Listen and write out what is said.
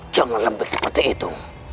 jangan lembek seperti itu